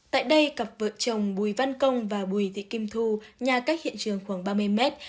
tại đây cặp vợ chồng bùi văn công và bùi thị kim thu nhà cách hiện trường khoảng ba mươi mét